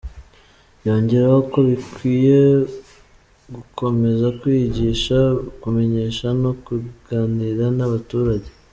Yongeraho ko bikwiye gukomeza kwigisha, kumenyesha no kuganira n’abaturage.